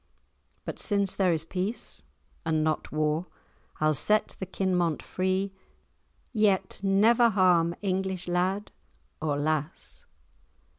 But since there is peace and not war, I'll set the Kinmont free yet never harm English lad or lass!"